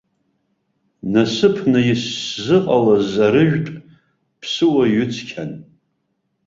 Насыԥны исзыҟалаз арыжәтә ԥсыуа ҩыцқьан.